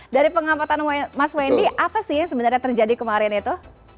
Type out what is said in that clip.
dari pengamatan mas wendy apa sih yang sebenarnya terjadi kemarin itu